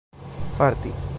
farti